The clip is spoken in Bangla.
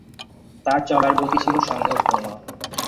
তার চলার গতি ছিল সন্দেহপূর্ণ।